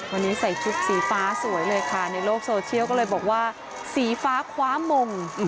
วันนี้ใส่ชุดสีฟ้าสวยเลยค่ะในโลกโซเชียลก็เลยบอกว่าสีฟ้าคว้ามง